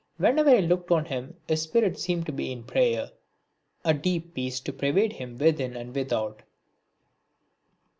Whenever I looked on him his spirit seemed to be in prayer, a deep peace to pervade him within and without.